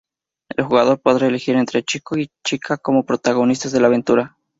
El jugador podrá elegir entre chico y chica como protagonistas de la aventura.